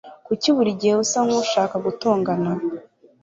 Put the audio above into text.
Kuki buri gihe usa nkushaka gutongana?